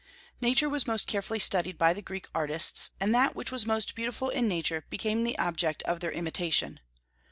Nature was most carefully studied by the Greek artists, and that which was most beautiful in Nature became the object of their imitation.